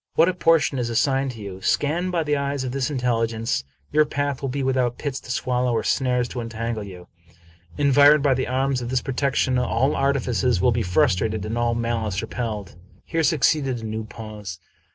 What a portion is assigned to you ! Scanned by the eyes of this intelligence, your path will be without pits to swallow or snares to entangle you. Environed by the arms of this protection, all artifices will be frustrated and all malice repelled." Here succeeded a new pause.